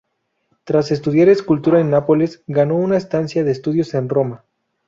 Tras estudiar escultura en Nápoles, ganó una estancia de estudios en Roma.